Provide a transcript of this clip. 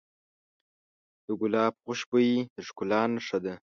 د ګلاب خوشبويي د ښکلا نښه ده.